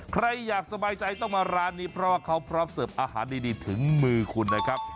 ใครอยากสบายใจต้องมาร้านนี้เพราะว่าเขาพร้อมเสิร์ฟอาหารดีถึงมือคุณนะครับ